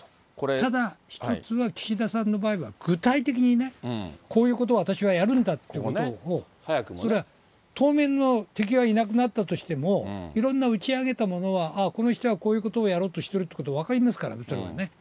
ただ一つは、岸田さんの場合は、具体的にね、こういうことを私はやるんだっていうことを、それは当面の敵はいなくなったとしても、いろんな打ち上げたものは、ああ、この人はこういうことをやろうとしてるってことは分かりますから、それはね。